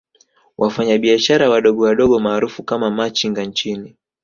Wafanya biashara wadogo wadogo maarufu kama Machinga nchini